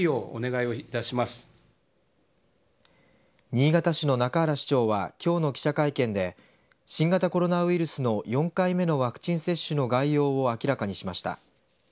新潟市の中原市長はきょうの記者会見で新型コロナウイルスの４回目のワクチン接種の概要を明らかにしました。